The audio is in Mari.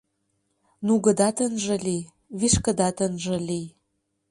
— Нугыдат ынже лий, вишкыдат ынже лий...